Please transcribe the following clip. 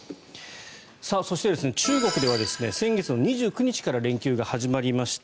そして、中国では先月２９日から連休が始まりました。